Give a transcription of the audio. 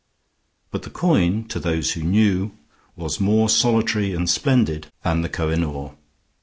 But the coin, to those who knew, was more solitary and splendid than the Koh i noor.